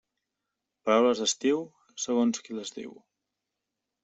Paraules d'estiu, segons qui les diu.